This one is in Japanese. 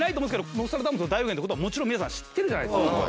『ノストラダムスの大予言』ってもちろん皆さん知ってるじゃないですか。